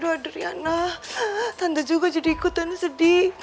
adriana tante juga jadi ikutannya sedih